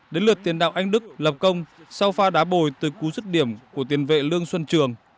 đến lượt tiền đạo anh đức lập công sau pha đá bồi từ cú rứt điểm của tiền vệ lương xuân trường